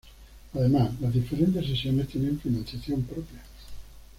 Además, las diferentes sesiones tienen financiación propia.